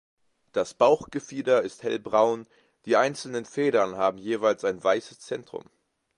Das Bauchgefieder ist hellbraun, die einzelnen Federn haben jeweils ein weißes Zentrum.